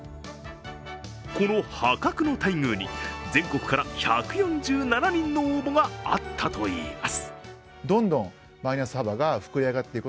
この破格の待遇に全国から１４７人の応募があったといいます。